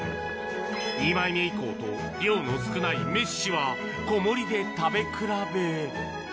２枚目以降と、量の少ないメッシは小盛りで食べ比べ。